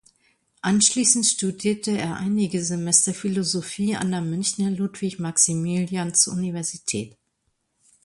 Anschließend studierte er einige Semester Philosophie an der Münchner Ludwig-Maximilians-Universität.